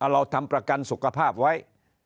เราทำประกันสุขภาพไว้